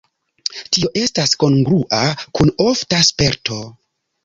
Tio estas kongrua kun ofta sperto.